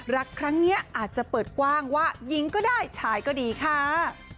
รักครั้งนี้อาจจะเปิดกว้างว่าหญิงก็ได้ชายก็ดีค่ะ